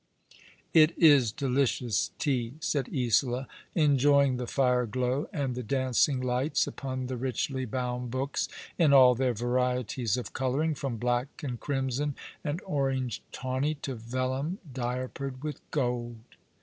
"It is delicious tea," said Isola, enjoying the fire glow, and the dancing lights upon the richly bound books in all their varieties of colouring, from black and crimson and orange tawny to vellum diapered with gold.